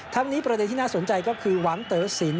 นี้ประเด็นที่น่าสนใจก็คือหวังเต๋อสิน